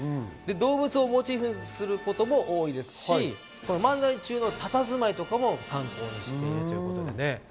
動物をモチーフにすることも多いですし漫才中のたたずまいとかも参考にしているということです。